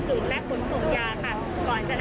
ซึ่งเหมาะที่จะเป็นการเก็บบันถุลและขนส่งยาค่ะ